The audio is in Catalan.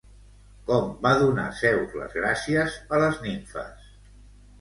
Com va donar Zeus les gràcies a les nimfes?